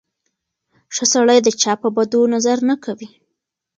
ښه سړی د چا په بدو نظر نه کوي.